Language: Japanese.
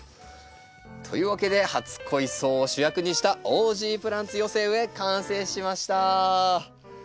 というわけで初恋草を主役にしたオージープランツ寄せ植え完成しました。